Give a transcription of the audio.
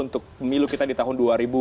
untuk pemilu kita di tahun dua ribu dua puluh